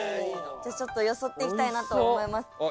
じゃあちょっとよそっていきたいなと思います。